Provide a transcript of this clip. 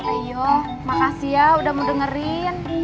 rejo makasih ya udah mau dengerin